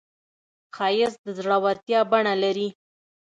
ښایست د زړورتیا بڼه لري